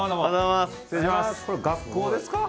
これ学校ですか？